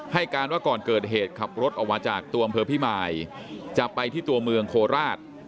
ให้การว่าก่อนเกิดเหตุขับรถออกมาจากตัวอำเภอพิมายจะไปที่ตัวเมืองโคราช